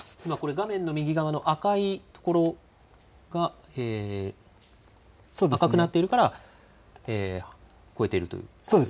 画面の右側の赤いところ、赤くなっているから超えているということですね。